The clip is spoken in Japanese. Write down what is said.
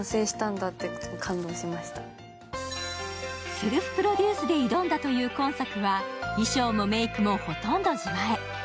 セルフプロデュースで挑んだという今作は、衣装もメイクもほとんど自前。